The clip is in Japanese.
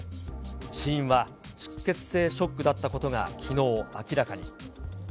死因は出血性ショックだったことがきのう、明らかに。